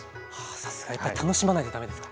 さすがやっぱり楽しまなきゃ駄目ですか？